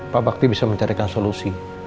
pak bakti bisa mencarikan solusi